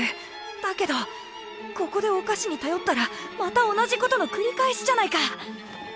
だけどここでお菓子にたよったらまた同じことのくり返しじゃないか。